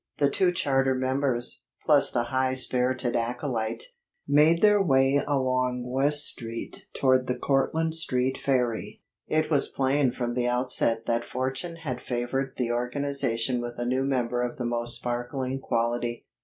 The two charter members, plus the high spirited acolyte, made their way along West Street toward the Cortlandt Street ferry. It was plain from the outset that fortune had favoured the organization with a new member of the most sparkling quality.